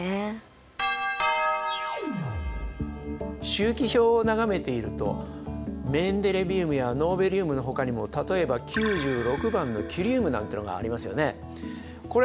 周期表を眺めているとメンデレビウムやノーベリウムのほかにも例えば９６番のキュリウムなんていうのがありますよね。